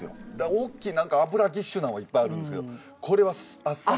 おっきい油ギッシュなんはいっぱいあるんですけどこれはあっさり。